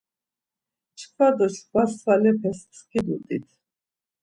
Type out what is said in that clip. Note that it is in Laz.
Çkva do çkva svalepes pskidut̆it.